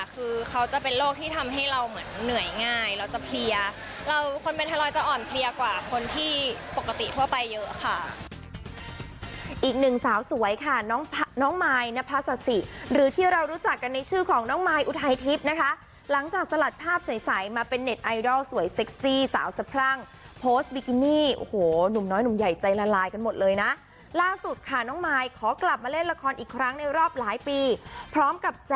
คือเขาจะเป็นโรคที่ทำให้เราเหมือนเหนื่อยง่ายเราจะเพลียเราคนเป็นไทรอยจะอ่อนเพลียกว่าคนที่ปกติทั่วไปเยอะค่ะอีกหนึ่งสาวสวยค่ะน้องน้องมายนพสัสสิหรือที่เรารู้จักกันในชื่อของน้องมายอุทัยทริปนะคะหลังจากสลัดภาพใสมาเป็นเน็ตไอดอลสวยเซ็กซี่สาวสะพรั่งโพสต์บิกินี่โหหนุ่มน้อยหนุ่มใหญ่ใจละลายก